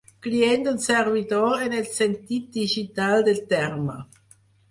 Client d'un servidor en el sentit digital del terme.